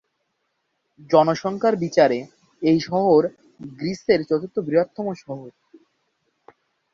জনসংখ্যার বিচারে এই শহর গ্রিসের চতুর্থ বৃহত্তম শহর।